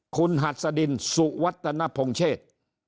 คุณหัดสดินสุวัตนพงเชษ